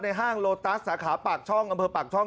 ในห้างโรตัสสาขาปากช่องบรรเวอย์ปากช่อง